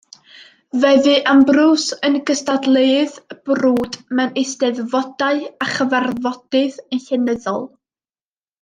Fe fu Ambrose yn gystadleuydd brwd mewn eisteddfodau a chyfarfodydd llenyddol.